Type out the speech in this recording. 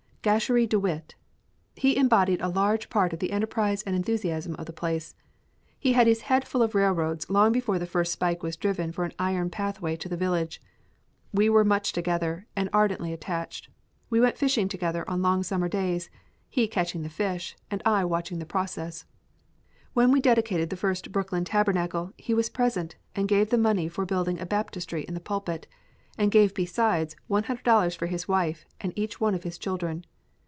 Gasherie De Witt! He embodied a large part of the enterprise and enthusiasm of the place. He had his head full of railroads long before the first spike was driven for an iron pathway to the village. We were much together and ardently attached; went fishing together on long summer days, he catching the fish, and I watching the process. When we dedicated the first Brooklyn Tabernacle, he was present, and gave the money for building a baptistry in the pulpit, and gave besides $100 for his wife and each one of his children.